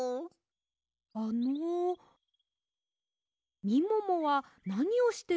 あのみももはなにをしているんですか？